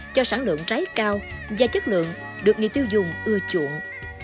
cho sản lượng trái cao và chất lượng được người tiêu dùng ưa chuộng